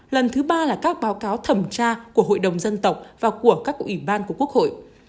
lần thứ ba là các báo cáo thẩm tra của hội đồng dân tộc và của các ủy ban của quốc hội